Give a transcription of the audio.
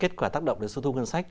kết quả tác động đến số thu ngân sách